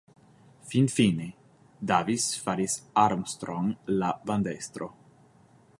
Finfine, Davis faris Armstrong la bandestro.